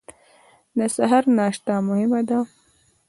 د سهار ناشته مهمه ده